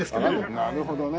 なるほどね。